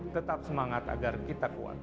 tetap semangat agar kita kuat